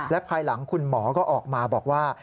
และภายหลังคุณหมอก็ออกมาบอกว่า